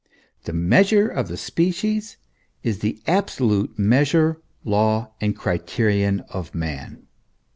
The measure of the species is the absolute measure, law, and criterion of man.